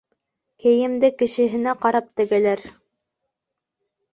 Кейемде кешеһенә ҡарап тегәләр.